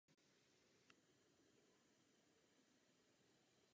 Působil jako soudce a předseda nejvyššího tribunálu Svobodného města Krakov.